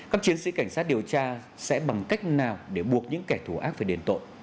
các chiến sĩ cảnh sát điều tra sẽ bằng cách nào để buộc những kẻ thù ác phải đền tội